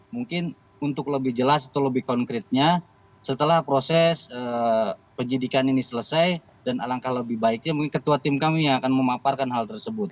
mungkin untuk lebih jelas atau lebih konkretnya setelah proses penyidikan ini selesai dan alangkah lebih baiknya mungkin ketua tim kami yang akan memaparkan hal tersebut